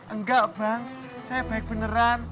enggak bang saya baik beneran